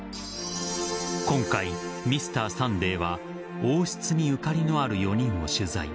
今回「Ｍｒ．サンデー」は王室にゆかりのある４人を取材。